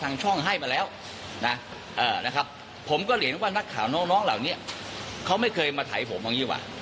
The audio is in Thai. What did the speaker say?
อะไรนะหมดวันหนึ่งฆ่าค่าค่า๒๕นิตยา